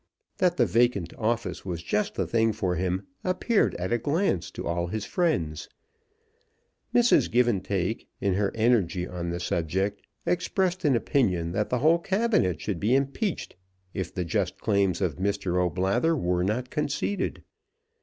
That the vacant office was just the thing for him appeared at a glance to all his friends. Mrs. Givantake, in her energy on the subject, expressed an opinion that the whole Cabinet should be impeached if the just claims of Mr. O'Blather were not conceded.